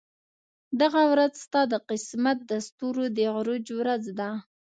دغه ورځ ستا د قسمت د ستورو د عروج ورځ ده.